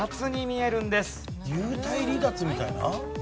幽体離脱みたいな？